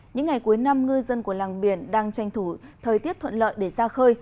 những ngày cuối năm ngư dân của làng biển đang tranh thủ thời tiết thuận lợi để ra khơi